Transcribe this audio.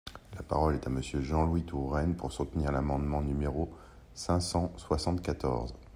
La parole est à Monsieur Jean-Louis Touraine, pour soutenir l’amendement numéro cinq cent soixante-quatorze.